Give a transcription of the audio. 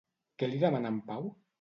Què li demana en Pau?